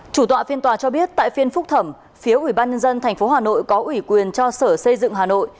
chủ tọa phiên tòa cho biết tại phiên phúc thẩm phía ủy ban nhân dân tp hà nội có ủy quyền cho sở xây dựng hà nội